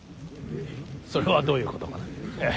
それはどういうことかな。